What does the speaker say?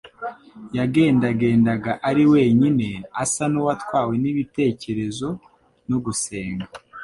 Yagendagendaga ari wenyine, asa n'uwatwawe n'ibitekerezo no gusenga;